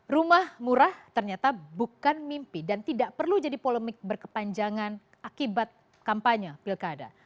rumah murah ternyata bukan mimpi dan tidak perlu jadi polemik berkepanjangan akibat kampanye pilkada